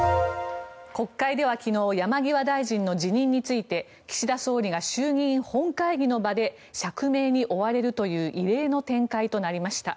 国会では昨日山際大臣の辞任について岸田総理が衆議院本会議の場で釈明に追われるという異例の展開になりました。